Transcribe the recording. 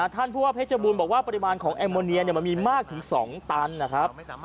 ท่านผู้ว่าเพชรบูรณ์บอกว่าปริมาณของแอมโมเนียมันมีมากถึง๒ตันนะครับ